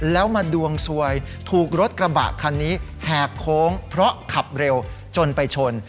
แล้วมาดวงสวยถูกรถกระบะคันนี้แหกโค้งเพราะขับเร็วจนไปชน